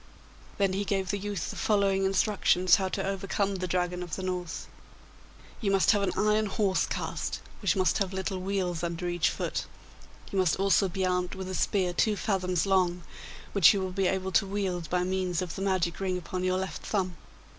Then he gave the youth the following instructions how to overcome the Dragon of the North: 'You must have an iron horse cast, which must have little wheels under each foot. You must also be armed with a spear two fathoms long, which you will be able to wield by means of the magic ring upon your left thumb.